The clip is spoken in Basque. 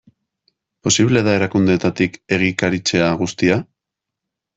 Posible da erakundeetatik egikaritzea guztia?